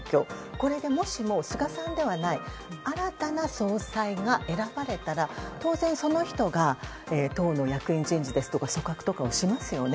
これでもし菅さんではない新たな総裁が選ばれたら当然その人が党の役員人事や組閣とかをしますよね。